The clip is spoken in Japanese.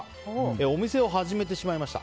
お店を始めてしまいました。